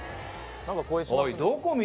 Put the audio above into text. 何か声しますね・